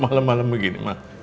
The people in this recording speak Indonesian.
malam malam begini mak